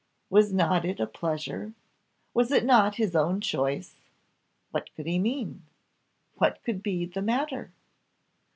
Was not it a pleasure? was it not his own choice? what could he mean? What could be the matter?